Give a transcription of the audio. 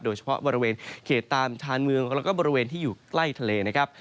โดยเฉพาะบริเวณเขตตามชานเมืองแล้วก็บริเวณที่อยู่ใกล้ทะเลนะครับ